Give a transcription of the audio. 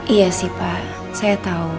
iya sih pak saya tahu